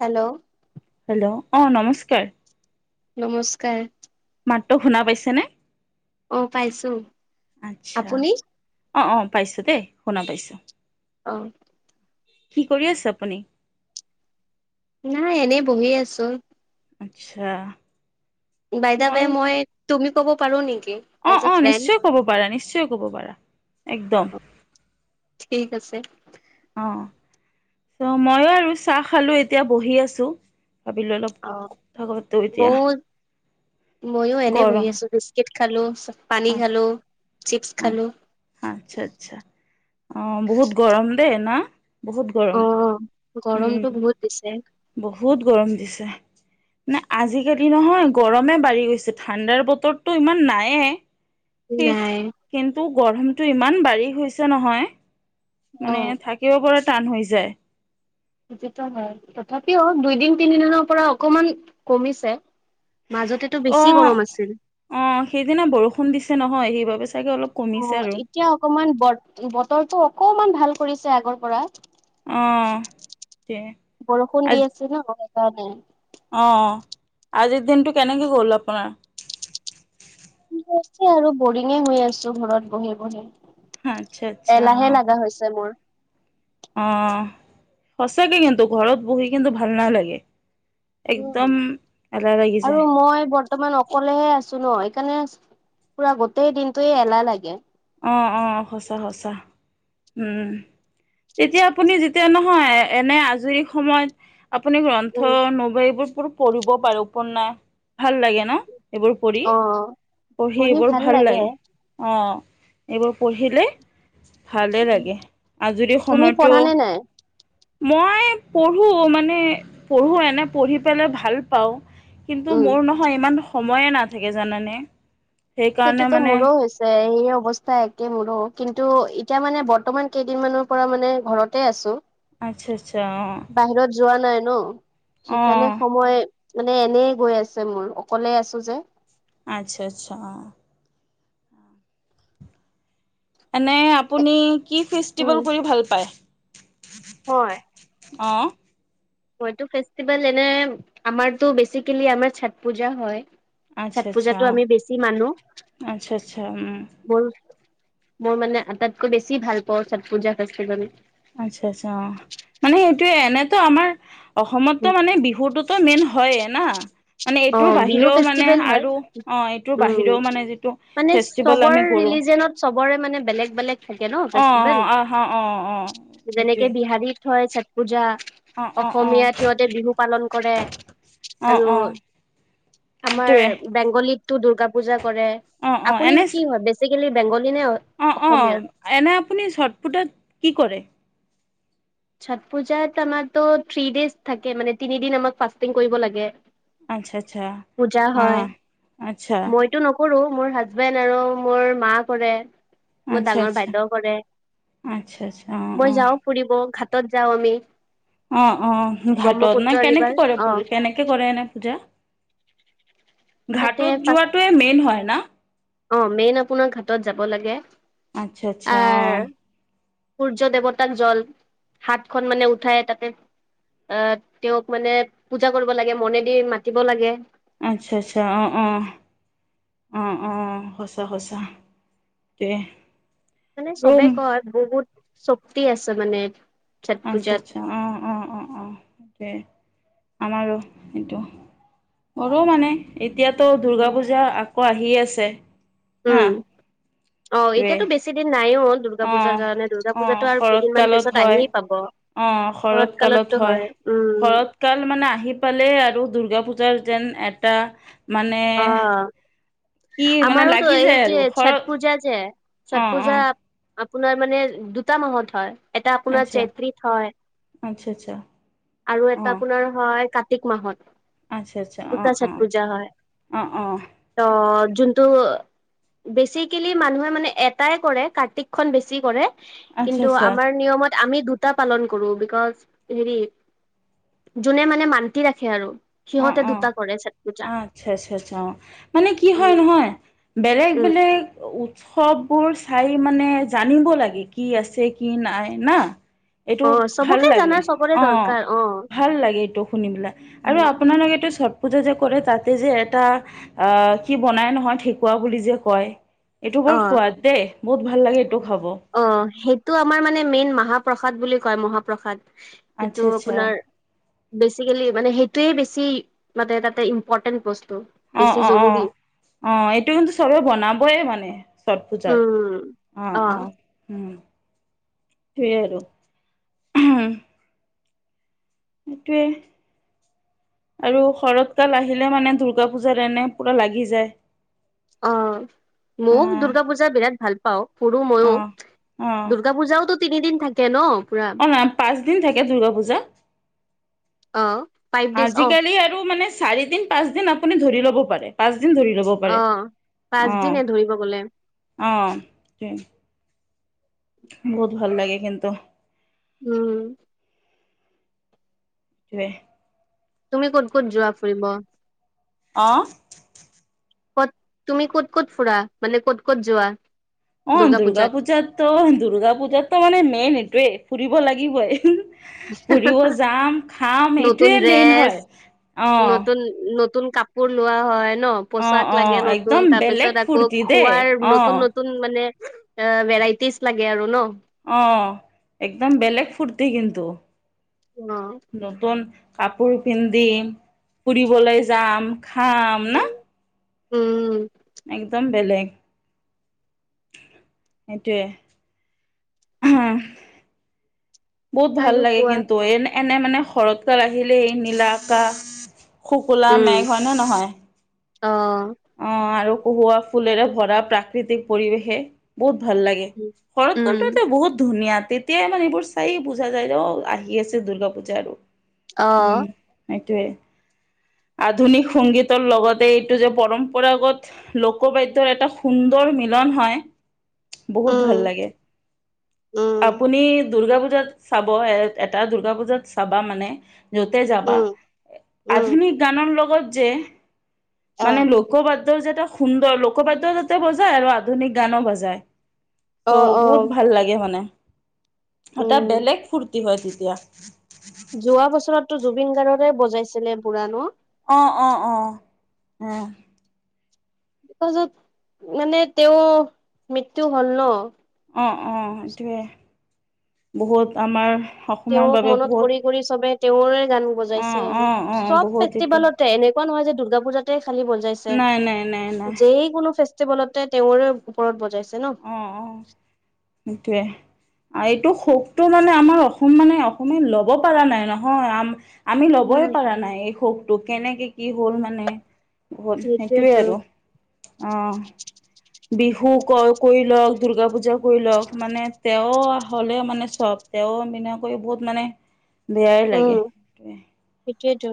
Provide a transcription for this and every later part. Hello hello অ নমস্কাৰ নমস্কাৰ মাত্ৰ শুনা পাইছেনেে অ পাইছো আচ্ছা আপুনি অ অ পাইছো দেই শুনা পাইছো অ কি কৰি আছেো আপুনি নাই এনেই বহি আছো আচ্ছা বাইদে ওৱাই মই তুমি ক'ব পাৰোঁ নেকি? অ' এজ এ অ' ফ্ৰেণ্ড নিশ্চয় ক'ব পাৰা, নিশ্চয় ক'ব পাৰা একদম। ঠিক আছে। চ', মইও আৰু চাহ খালো এতিয়া বহি আছো। ভাবিলো অলপ অ', কথা পাতো এতিয়া [unintelligible] ময়ও এনে বহি গৰম আছো বিছকি খালো, পানী খালো, চিপছ খালো। আচ্ছা, আচ্ছা অ' বহুত গৰম দে ন বহুত অ গৰম উম, গৰমটো বহুত দিছে বহুত গৰম দিছে। নে আজিকালি নহয় গৰমে বাঢ়ি গৈছে, ঠাণ্ডাৰ বতৰটো ইমান নাইয়ে। [unintelligible] নাই কিন্তু গৰমটো ইমান বাঢ়ি হৈছে নহয়। অ মানে থাকিব পৰা টান হৈ যায়। সেইটোতো হয়, তথাপিও দুইদিন তিনিদিনৰ পৰা অকমান কমিছে। মাজতেটো অ বেছি গৰম আছিল। অ সেইদিনা বৰষুণ দিছে নহয় সেইবাবে চাগে অলপ কমিছে অ', আৰু এতিয়া অকমান ব-বতৰটো অকমান ভাল কৰিছে আগৰ পৰা। অহ। বৰষুণ দি আছে ন', সেইকাৰণে। অ', আজিৰ দিনটো কেনেকে গ'ল আপোনাৰ? [unintelligible] আৰু বৰিঙে হৈ আছো ঘৰত বহি বহি, আচ্ছা আচ্ছা এলাহে লগা হৈছে মোৰ। অ', সঁচাকে কিন্তু ঘৰত বহি কিন্তু ভাল নালাগে। একদম এলাহ লাগি আৰু যায় মই বৰ বৰ্তমান অকলেহে আছো ন সেইকাৰণে, পুৰা গোটেই দিনটোয়ে এলাহ লাগে। অ', অ', সঁচা সঁচা, উম। তেতিয়া আপুনি যেতিয়া নহয় এনে আজৰি সময় আপুনি গ্ৰন্থ, উম [unintelligible] এইবোৰ প-পঢ়িব পাৰে উপন্যাস ভাল লাগে ন' এইবোৰ পঢ়ি, অ পঢ়ি এইবোৰ ভাল লাগে অ'। এইবোৰ পঢ়িলে ভালে উম লাগে, আজৰি তুমি সময়তো পঢ়া নে নাই? মই পঢ়ো, মানে পঢ়ো এনে পঢ়ি পেলাই ভাল পাওঁ। কিন্তু উম মোৰ নহয় ইমান সময়ে নাথাকে জানেনে। সেইটোতো মোৰো হৈছে। এই অৱস্থা একে মোৰো, কিন্তু এতিয়া মানে বৰ্তমান কেইদিনমানৰ পৰা মানে ঘৰতে আছো। আচ্ছা আচ্ছা অ বাহিৰত যোৱা নাই ন', অ সেইকাৰণে সময় মানে এনে গৈ আছে মোৰ, অকলে আছো যে। আচ্ছা, আচ্ছা। এনে আপুনি কি ফেষ্টিভেল কৰি ভাল পায়? মই? অ'। মইতো ফেষ্টিভেল এনে, আমাৰতো বেচিকেলি আমাৰ চথ পূজা হয়। আচ্ছা চঠ আচ্ছা পূজাটো অ', আমি বেছি মানো, আচ্ছা আচ্ছা উম, বল মোৰ মানে আটাইতকৈ বেছি ভাল পাওঁ চথ পূজা ফেষ্টিভেল। আচ্ছা আচ্ছা, অ', মানে সেইটোয়ে এনেতো আমাৰ অসমততো মানে বিহুটোতো মেইন হয়েই না। মানে এইটোৰ অ' বিহু বাহিৰেও মানে ফেষ্টিভেল হয়, আৰু অ', এইটোৰ উ বাহিৰেও মানে যিটো মানে ফেষ্টিভেল চবৰ আমি ৰি কৰোঁ। [unintelligible] চবৰে মানে বেলেগ বেলেগ থাকে ন অ', ফেষ্টিভেল। অ', আহ অ', অ', অ', যেনেকে এইটোৱে বিহাৰীত হয় ছঠ পূজা। অ', অ', অ', অসমীয়াত সিহঁতে বিহু পালন কৰে অ', আৰু অ'। আমাৰ সেইটোৱে বেংগলীতটো দুৰ্গা পূজা কৰে, অ', অ', আপুনি এনে কি হয় বেছিক [unintelligible] বেংগলী নে অ', অসমীয়া? অ', এনে আপুনি চথ পুজাত কি কৰে? চথ পুজাত আমাৰ ত থ্ৰী ডেজ থাকে, মানে তিনিদিন আমাক ফাষ্টিং কৰিব লাগে। আচ্ছা আচ্ছা পূজা হয়, অ', আচ্ছা মইতো ন কৰো মোৰ হাজবেণ্ড আৰু মোৰ মা কৰে মোৰ আচ্ছা ডাঙৰ আচ্ছা আচ্ছা বাইদেউ কৰে আচ্ছা আচ্ছা অ', মই অ'। যাও ফুৰিব ঘ তত যওঁ মমি অ অ ঘাটত নাই ৰিভাৰ কেনেকে কৰে অ প কেনেকে কৰে এনে পূজা তাতে ঘাাটত ফাৰ্ষ্ট যোৱাটোে মেইন হয় ন ব'লাগে আচ্ছা আচ্ছা অ সূৰ্য দেৱতাক জল হাতখন মানে উঠাই তাতে আহ তেওঁক মানে পূজা কৰিব লাগে মনে দি মাতিব লাগে আচ্ছা আচ্ছা অঁ অঁ অ অঁ সঁচা সচা তে মানে চবে ৰুম কয় বহুত শক্তি আছে মানে ছট আচ্ছা পূজাত আচ্ছা অ অ অ অ আমাৰো এইটো কৰৰু মানে এতিয়াতো দুূৰ্গা পূজা আকৌ আহিয়ে আছে হা উম অ টোৱে এতিয়াতো বেছি দিন নাইও দুৰ্গা অ', পূজাৰ কাৰণে দ দুৰ্গা অ', পূজাতটো আৰু শৰৎ কেইদিনমান কালত পিছত হয়। আহিয়ে পাব অ শৰৎ কালত হয় শৰৎ কাল মানে আহি পালে আৰু দুূৰ্গা পুজা জাৰ যেন এটা মানে কি মানে আমাৰটো লাগি এই যায় আৰু যে ছঠ শৰৎ পূজা যে ছঠ অ', পূজা অ', আপোনাৰ মানে দুটা মাহত হয় এটা আপোনাৰ আচ্ছা, চৈত্ৰীত হয় আচ্ছা আচ্ছা আৰু এটা অ', আপোনাৰ হয় ক্তক আচ্ছা, আচ্ছা, মাহত গুতা অ', চাত অ', পূজা হয় অ', অ', ত যোনটো বেচিকেলি মানুহে মানে এটাই কৰে কাৰ্তিকখন বেছি কৰে আচ্ছা, কিন্তু আচ্ছা, আমাৰ নিয়মত আমি দুটা পালন কৰো বিকজ হেৰি যোনে মানে মান্তি ৰাখে আৰু অ সিহঁতে অ দুটা কৰে ছট পূজা আচ্ছা আচ্ছা আচ্ছা অ মানে কি হয় উম নহয় বেলেগ বেলেগ সববোৰ চাই মানে জানিব লাগে কি আছে কি নাই না এইটো অ ভাল চবকে লাগে জানা চবৰে অ দৰকাৰ অ ভাল লাগে এইটো শুনিিবেলাই আৰু আপোনালোকেতো চব পূজা যে কৰে তাতে যে এটা আহ কি বনাই নহয় ঠকুৱা বুলি যে কয় এইটো বৰ অ সোৱাদ দেই বহুত ভাল লাগে এইটো খাব অ সেইটো আমাৰ মানে মেইন মহাপ্ৰসাদ বুলি কয় মহাপ্ৰসাদ আচ্ছা সটো আচ্ছা আপোনাৰ বেচিকেলি মানে সেই োৱে বেছি মানে তাতে ইম্পৰ্টেণ্ট বস অ অ অ অ এইটো কিন্তু চবে বনাবয়ে মানে ছট পূজাত উম অ অ উম স আৰু টোৱে আৰু শৰৎকাল আহিলে মানে দুূৰ্গা পূজাৰ এনে পুৰা লাগি যায় অ মোক অ', দুূৰ্গা পূজা বিৰাট ভাল পাওঁ সৰু মইো অ', অ', দুূৰ্গা পূজাওতো তিনিদিন থাকে ন পুৰা অ নাই পাঁচ দিন থাকে দুূৰ্গা পূজা অ ফাইভ ডেজ অ আজিকালি আৰু মানে চাৰি দিন পাঁচ দিন আপুনি ধৰি ল'ব পাৰে পাঁচ ধৰি লব অ পাৰে আহ পাঁচদিনে ধৰিব গ'লে আহ বহুত ভাল লাগে কিন্তন্তু উম তয়ে তুমি ক'ত ক'ত যোৱা ফুৰিব অহ। ক'ত? তুমি ক'ত ক'ত ফুৰা? মানে ক'ত ক'ত যোৱা? অ' দুৰ্গা পূজাত দূৰ্গাপূজাত ত' দূৰ্গাপূজাত' মানে মেইন এইটোৱেই। ফুৰিব লাগিবই। ফুৰিব যাম। খাম। নতুন এইটোৱে মেইন ড্ৰেছ হয়। অহ। নতুন নতুন কাপোৰ লোৱা হয়, ন পোচাক অ', লাগে একদম নতুন। বেলেগ তাৰপিছত আকৌ ফূৰ্তি দেই খোৱাৰ নতুন অ', -নতুন মানে ভেৰাইটিজ লাগে আৰু ন? অহ একদম বেলেগ ফুৰ্তি কিন্তু। অ নতুন কাপোৰ পিন্ধিম। ফুৰিবলৈ যাম। খাম। না। উম। একদম বেলেগ। সেইটোৱে। হ। বহুত ভাল আৰু লাগে কোৱা কিন্তু। এনে এনে মানে শৰৎ কাল আহিলেই নীলা আকাশ শুকুলা মেঘ। হয় নে নহয়? অহ। অ' আৰু কহুৱা ফুলেৰে ভৰা প্ৰাকৃতিক পৰিৱেশে বহুত ভাল লাগে। শৰৎ কালটো উম এটা বহুত ধুনীয়া তেতিয়াই মানে এইবোৰ চায়ে বুজা যায় যে - অ'আহি আছে দূৰ্গাপূজা আৰু। অ উম। হেতুয়ে। আধুনিক সংগীতৰ লগতে এইটো যে পৰম্পৰাগত লোকবাদ্যৰ এটা সুন্দৰ মিলন হয়, বহুত উম ভাল লাগে। উম আপুনি দুৰ্গাপুজা পূজাত চাব, এ এটা দুৰ্গাপূজাত চাবা মানে য'তে যাবা উম উম আধুনিক গানৰ লগত যে অ মানে লোকবাদ যে এটা সুন্দৰ লোকবাদ্য যাতে বজায় আৰু আধুনিক গানো বজায়। অ ত' অ বহুত ভাল লাগে মানে। এটা উম বেলেগ ফূৰ্তি হয় তেতিয়া। যোৱা বছৰতো জুবিন গাৰ্গৰে বজাইছিলে পুৰা ন? অহ। অহ। অ'। অ',। পাছত মানে তেওঁৰ মৃত্যু হল ন, অঁহ। অঁহ। এইটোৱে বহুতআমাৰ অসমৰ তেওঁক বাবে মনত কৰি বহুত কৰি চবে তেওঁৰে গান বজাইছে অ', আৰু। অ', অ', চব বহুত এইটো ফেষ্টিভেলতে এনেকুৱা নহয় যে দুৰ্গাপূজাতে খালি বজাইছে। নাই, নাই, নাই, নাই যেই কোনো ফেষ্টিভেলতে তেওঁৰে ওপৰত বজাইছে। ন অহ। অহ। হেতুয়ে। এইটো শোকটো মানে আমাৰ অসম মানে, অসমে লব পৰা নাই নহয়। আম আমি ল'বই উম পাৰা নাই, এই শোকটো। কেনেকে কি হ'ল মানে সেইটোয়ে সেইটোৱেতো আৰু। অহ। বিহু ক কৰি লওক, দূৰ্গাপূজা কৰি লওক, মানে তেও হলে মানে চব। তে তেওঁৰ বিনাকৈ বহুত মানে বেয়াই লাগে। সেয়ে। তাকেইতো।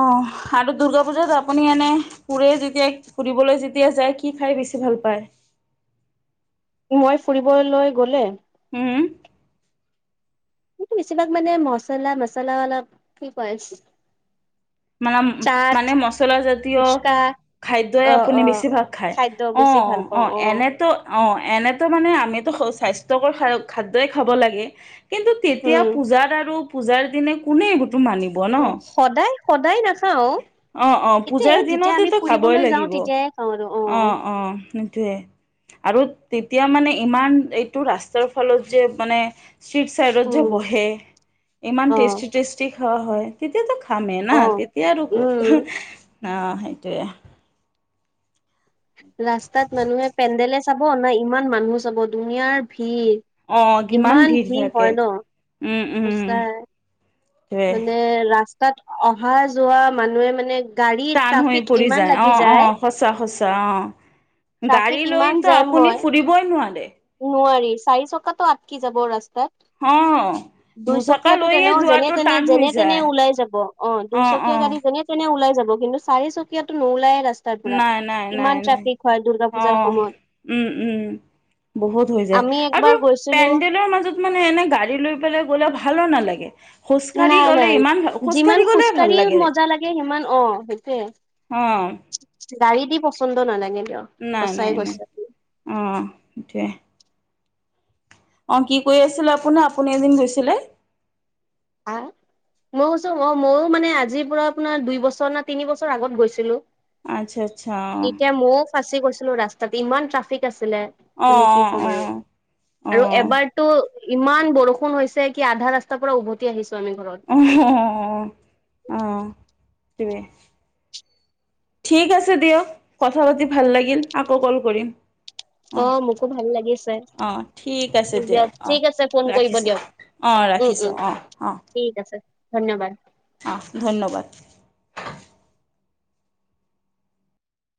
অহ। আৰু দূৰ্গাপুজাত আপুনি এনে ফুৰে যেতিয়া, ফুৰিবলৈ যেতিয়া যায় কি খাই বেছি ভাল পা ভাল পায়? মই ফুৰিবলৈ গ'লে উম। কি বেছিভাগ মানে মছলা-মছলা অলপ কি কয়? [inaudible] মানে উ। চাট মানে মচলা জাতীয় ফুচকা খাদ্যই অ আপুনি অ বেছিভাগ খায়। খাদ্য বেছি ভাল অ' পাওঁ অ' এনেতো অ'। এনেতো মানে আমিতো স্বাস্থ্যকৰ খ -খাদ্যই খাব লাগে। কিন্তু তেতিয়া উম পূজাত আৰু পূজাৰ দিনা কোনে এইবোৰটো মানিব ন? অ সদায় সদায় নাখাওঁ। অহ। অহ। পূজাৰ দিনত টো খাবই যাওঁ লাগিব। তেতিয়াই খাওঁ আৰু অ অহ। অহ। সেইটোৱেই আৰু তেতিয়া মানে ইমান এইটো ৰাস্তাৰ ফলত যে মানে ষ্ট্ৰীট ছাইডত যে উম বহে ইমান অ টেষ্টি টেষ্টি খাোৱাা হয় তেতিয়াাতো খামে ন অ তেতিয়া আৰু ক'ত উম আহ সেইটোৱেই ৰাস্তাত মানুহে পেণ্ডেলে চাব না ইমান মানুহ চাব দুুনীয়াৰ ডিষ অ', ভিৰ কিমান ইমান ভিৰ থাকে হয় ন উম, উম, সচাই সেইটোৱে। মানে ৰাস্তাত অহা যোৱা মানুহে মানে গাড়ী টান হৈ ট্ৰাফিক পৰি ইমান যায় অ লাগি অ সঁচা সঁচা অ ট্ৰাফিক গাড়ী ইমান লৈতো জেম আপুনি হয় ফুৰিবই নোৱাৰে নোৱাৰি চাৰি চকা টো আটকি যাব ৰাস্তা হ দুইচকীয়াতো তেনেও যেনে তেনে যেনে তেনে যায় ওলাই যাব অ দুইচকীয়া গাড়ী যেনে তেনে ওলাই যাব কিন্তু চাৰি চকাতো নোলাই ৰাস্তা নাই নাই নাই নাই দুৰ্গা অ পূজাৰ সময়ত উম উম বহুত হৈ যায় আমি আৰু একবাৰ গৈছিলো পেণ্ডেলৰ মাজত মানে এনে গাড়ী লৈ পেলাই গ'লে ভালো নালাগে খোজকাঢ়ি নাই গ'লে নাই ইমানাল খোজ যিমান কাঢ়ি গ'লে ভাল খোজকাঢ়ি লাগে মজা লাগে সিমান অ সেইটোয়ে অ গাড়ী দি পচন্দ নালাগে দিয়ক নাই সঁচাই নাই নাই কৈছে অ সেইটোৱেই অ কি কৰি আছিলে আপোনাৰ আপুনি জিম গৈছিলে আহ মইছো ম মইো মানে আজিৰ পৰাৰা আপোনাৰ দুই বছৰ না তিনি বছৰ আগত গৈছিলো আচ্ছা, আচ্ছা [inaudible] এতিয়া ময়ও ফাঁচি গৈছিলো ৰাস্তাত ইমান ট্ৰাফিক আছে আছিলে অ', মানে কি অ', ক'ম আৰু অ', আৰু অ'। এবাৰতো ইমান বৰষুণ হৈছে কি আধা ৰাস্তাৰ পৰা উভতি আহিছে আহ আহ তেই [inaudible] ঠিক আছে দিয়ক কথা পাতি ভাল লাগিল আকৌ কল কৰিম অ মোকো ভাল লাগিছে অ ঠিক আছে দিয়ক অ ঠিক আছে ফোন কৰিব ৰাখিছো দিয়ক অ উম ৰাখি উম অ অ ঠিক আছে ধন্যবাদ অ ধন্যবাদ